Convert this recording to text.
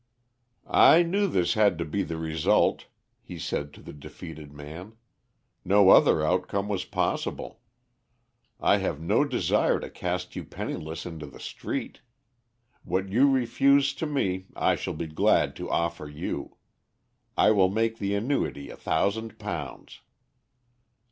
"I knew this had to be the result," he said to the defeated man. "No other outcome was possible. I have no desire to cast you penniless into the street. What you refused to me I shall be glad to offer you. I will make the annuity a thousand pounds."